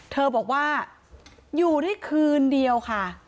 เธอบอกว่าอยู่ได้คืนเดียวค่ะ